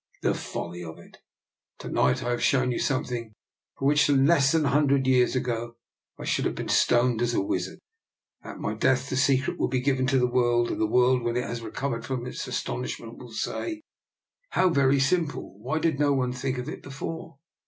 The folly of it! To night I have shown you something for which less than a hundred years ago I should have been stoned as a wizard. At my death the secret will be given to the world, and the world, when it has recovered from its astonishment, will say, ' How very simple! why did no one think of it before?